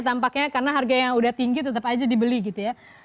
tampaknya karena harga yang udah tinggi tetap aja dibeli gitu ya